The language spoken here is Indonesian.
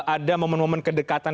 ada momen momen kedekatan